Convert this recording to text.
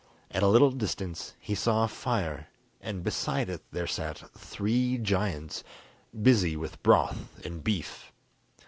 At a little distance he saw a fire, and beside it there sat three giants, busy with broth and beef.